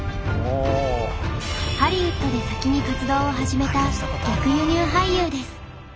ハリウッドで先に活動を始めた逆輸入俳優です。